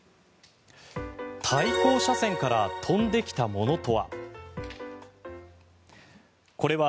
対向車線から飛んできたものとは。